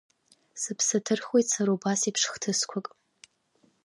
Сыԥсы ҭырхуеит сара убас еиԥш хҭысқәак.